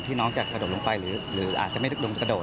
ที่น้องจะกระโดดลงไปหรืออาจจะไม่ได้โดนกระโดด